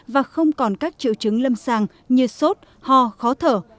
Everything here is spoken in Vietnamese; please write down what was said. và không còn các triệu chứng lâm sàng như sốt ho khó thở